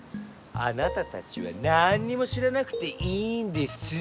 あなたたちはなんにも知らなくていいんですう！